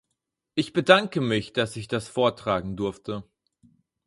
Ich bedanke mich, dass ich das vortragen durfte.